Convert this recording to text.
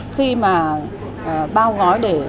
khi mà bao gói để